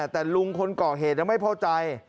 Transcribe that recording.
แต่ลุงคนเกาะเหตุยังไม่เข้าใจ